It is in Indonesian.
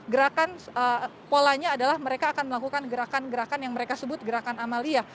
dan polanya adalah mereka akan melakukan gerakan gerakan yang mereka sebut gerakan amalia